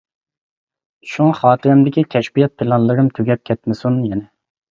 شۇڭا خاتىرەمدىكى كەشپىيات پىلانلىرىم تۈگەپ كەتمىسۇن يەنە.